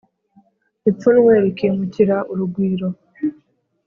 ipfunwe rikimukira urugwiro